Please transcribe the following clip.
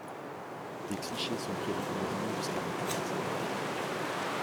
Des clichés sont pris régulièrement jusqu'à l'impact.